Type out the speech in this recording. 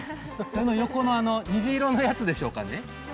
その横の虹色のやつでしょうかね。